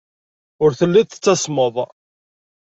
Ur telliḍ tettasmeḍ.